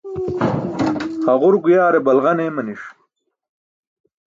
Haġur guyaare balġan eemani̇ṣ.